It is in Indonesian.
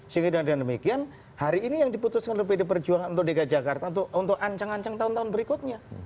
sehingga dengan demikian hari ini yang diputuskan oleh pd perjuangan untuk dki jakarta untuk ancang ancang tahun tahun berikutnya